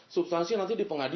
substansi nanti dipengaruhi